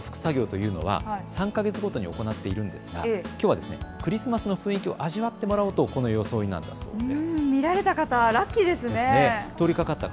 この窓を拭く作業というのは３か月ごとに行っているんですがきょうはクリスマスの雰囲気を味わってもらおうとこのような装いをしているそうです。